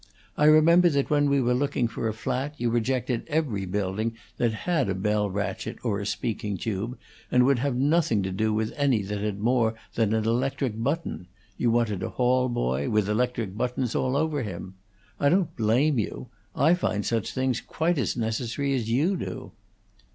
I remember that when we were looking for a flat you rejected every building that had a bell ratchet or a speaking tube, and would have nothing to do with any that had more than an electric button; you wanted a hall boy, with electric buttons all over him. I don't blame you. I find such things quite as necessary as you do."